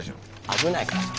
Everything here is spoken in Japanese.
危ないからそれ。